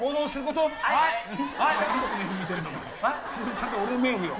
ちゃんと俺の目を見ろ。